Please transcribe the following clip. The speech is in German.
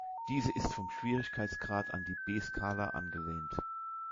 Diese ist vom Schwierigkeitsgrad an die B-Skala angelehnt.